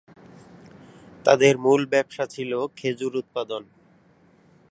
তাদের মূল ব্যবসা ছিল খেজুর উৎপাদন।